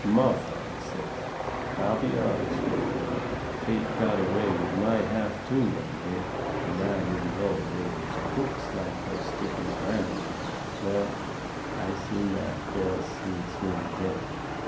"Martha," I says, "I'll be honest with you. Fate got away with my half too one day when I didn't know they was crooks like her sticking around." Well, I seen that girl seen through me then.